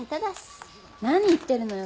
何言ってるのよ